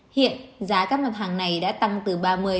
hiện giá các mặt hàng này đã tăng từ ba mươi năm mươi